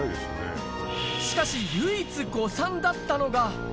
しかし唯一誤算だったのが。